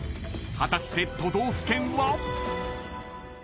［果たして都道府県は？］